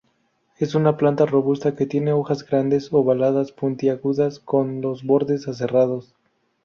Es una planta robusta que tiene hojas grandes, ovadas, puntiagudas con los bordes aserrados.